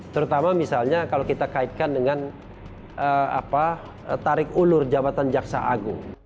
terutama misalnya kalau kita kaitkan dengan tarik ulur jabatan jaksa agung